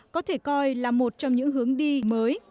có thể coi là một trong những hướng đi mới